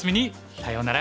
さようなら。